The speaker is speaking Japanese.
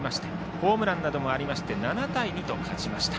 ホームランなどもありまして７対２と勝ちました。